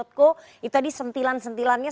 itu tadi sentilan sentilannya